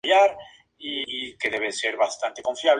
Está situada en el extremo septentrional de la comarca de Baza.